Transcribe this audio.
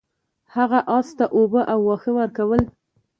هغه اس ته اوبه او واښه ورکول.